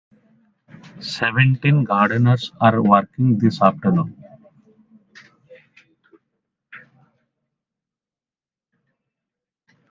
Seventeen gardeners are working this afternoon.